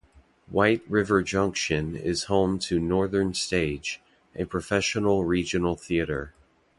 White River Junction is home to Northern Stage, a professional regional theatre.